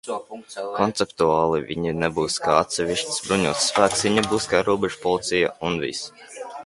Konceptuāli viņi nebūs kā atsevišķs bruņots spēks, viņi būs kā robežpolicija, un viss.